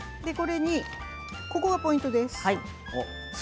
ここがポイントです。